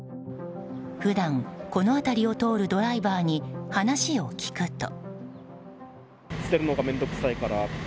普段、この辺りを通るドライバーに話を聞くと。